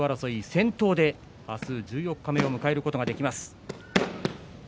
先頭で明日十四日目の迎えることができます。